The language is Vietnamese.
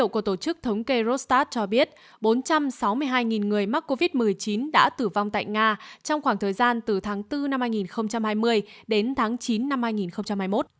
tổ chức thống kê rostat cho biết bốn trăm sáu mươi hai người mắc covid một mươi chín đã tử vong tại nga trong khoảng thời gian từ tháng bốn năm hai nghìn hai mươi đến tháng chín năm hai nghìn hai mươi một